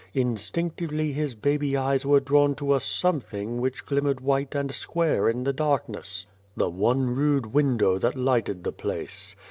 Instinctively his baby eyes were drawn to a something which glimmered white and square in the darkness the one rude window that lighted the place.